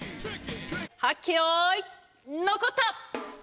はっけよいのこった！